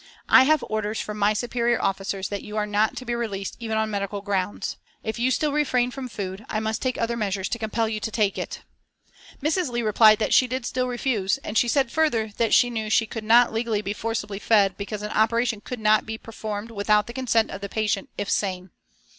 I have orders from my superior officers that you are not to be released even on medical grounds. If you still refrain from food I must take other measures to compel you to take it." Mrs. Leigh replied that she did still refuse, and she said further that she knew that she could not legally be forcibly fed because an operation could not be performed without the consent of the patient if sane.